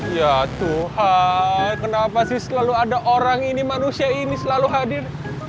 ya tuhan kenapa sih selalu ada orang ini manusia ini selalu hadir